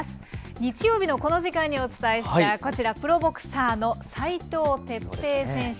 日曜日のこの時間にお伝えしたこちら、プロボクサーの齋藤哲平選手。